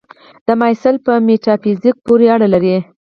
دا مسایل په میتافیزیک پورې اړه لري.